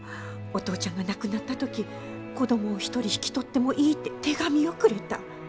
お父ちゃんが亡くなった時子供を１人引き取ってもいいって手紙をくれた。